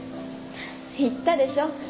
言ったでしょ？